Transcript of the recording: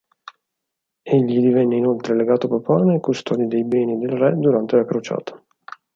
Egli divenne inoltre legato papale e custode dei beni del re durante la crociata.